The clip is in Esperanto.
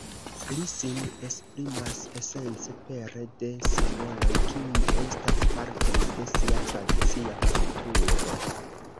Li sin esprimas esence pere de simboloj kiuj estas partoj de sia tradicia kulturo.